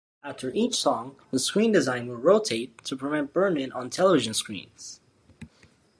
After each song, the screen design will rotate to prevent burn-in on television screens.